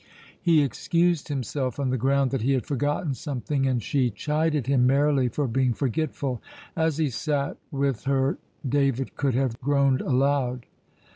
He excused himself on the ground that he had forgotten something, and she chided him merrily for being forgetful. As he sat with her David could have groaned aloud.